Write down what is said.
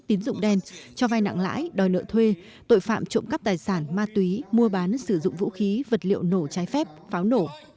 tín dụng đen cho vai nặng lãi đòi nợ thuê tội phạm trộm cắp tài sản ma túy mua bán sử dụng vũ khí vật liệu nổ trái phép pháo nổ